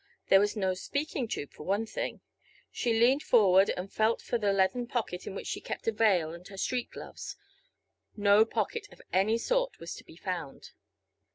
There was no speaking tube for one thing. She leaned forward and felt for the leathern pocket in which she kept a veil and her street gloves. No pocket of any sort was to be found.